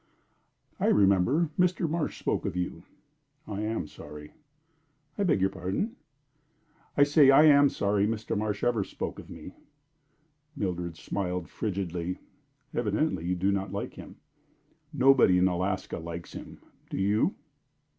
"I remember. Mr. Marsh spoke of you." "I am sorry." "I beg your pardon?" "I say I am sorry Mr. Marsh ever spoke of me." Mildred smiled frigidly. "Evidently you do not like him?" "Nobody in Alaska likes him. Do you?"